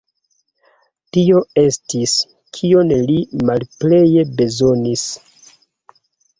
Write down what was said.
Tio estis, kion li malplej bezonis.